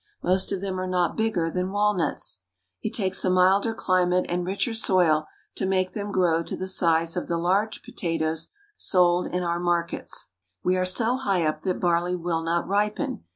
Most of them are not bigger than walnuts. It takes a milder climate and richer soil to make them grow to the size of the large potatoes sold in our markets. We are so high up that barley will not ripen.